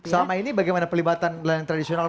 selama ini bagaimana pelibatan nelayan tradisional